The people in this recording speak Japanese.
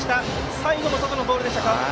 最後も外のボールでした。